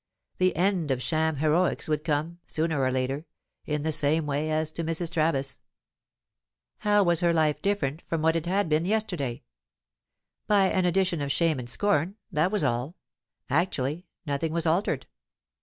The end of sham heroics would come, sooner or later, in the same way as to Mrs. Travis. How was her life different from what it had been yesterday? By an addition of shame and scorn, that was all; actually, nothing was altered.